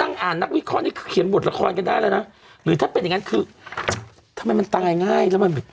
นั่งอ่านนักวิเคราะห์นี่คือเขียนบทละครกันได้แล้วนะหรือถ้าเป็นอย่างนั้นคือทำไมมันตายง่ายแล้วมันแบบ